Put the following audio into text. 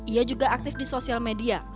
ia juga aktif di sosial media